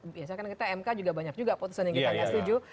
biasanya kan kita mk juga banyak juga putusan yang kita nggak setuju